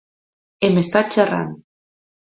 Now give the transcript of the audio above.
Hem estat xerrant.